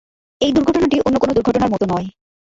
এই দুর্ঘটনাটি অন্য কোনো দুর্ঘটনার মতো নয়।